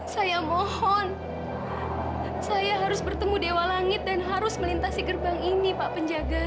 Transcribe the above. saya mohon saya harus bertemu dewa langit dan harus melintasi gerbang ini pak penjaga